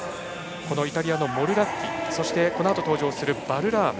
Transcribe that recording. イタリアのモルラッキそして、このあと登場するバルラーム。